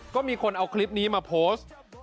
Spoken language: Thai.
ก็มีคนเอาคลิปนี้มาโพสต์